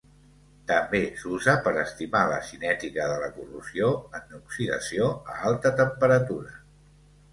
També s'usa per estimar la cinètica de la corrosió en oxidació a alta temperatura.